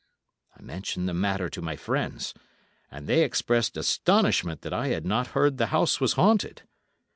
I mentioned the matter to my friends, and they expressed astonishment that I had not heard the house was haunted.